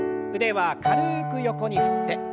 腕は軽く横に振って。